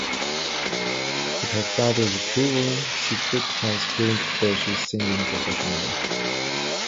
With her father's approval, she quit high school to pursue singing professionally.